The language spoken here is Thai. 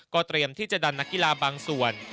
เตรียมที่จะดันนักกีฬาบางส่วน